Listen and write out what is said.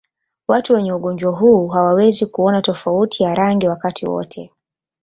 Watu wenye ugonjwa huu hawawezi kuona tofauti ya rangi wakati wote.